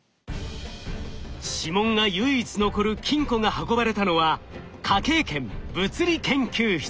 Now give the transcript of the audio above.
指紋が唯一残る金庫が運ばれたのは科警研物理研究室。